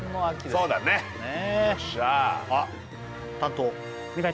そうだね